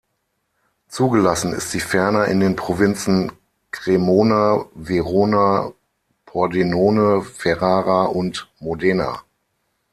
Zugelassen ist sie ferner in den Provinzen Cremona, Verona, Pordenone, Ferrara und Modena.